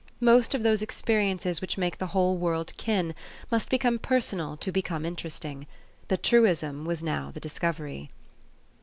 Most of those experiences which make the whole world kin must become personal to become interesting. The truism was now the discovery.